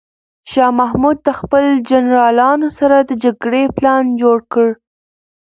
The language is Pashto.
شاه محمود د خپلو جنرالانو سره د جګړې پلان جوړ کړ.